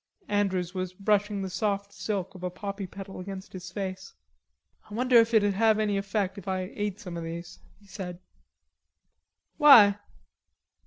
Andrews was brushing the soft silk of a poppy petal against his face. "I wonder if it'ld have any effect if I ate some of these," he said. "Why?"